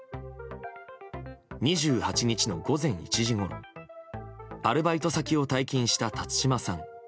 ２８日の午前１時ごろアルバイト先を退勤した辰島さん。